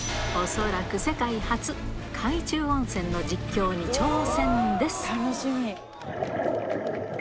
恐らく世界初、海中温泉の実況に挑戦です。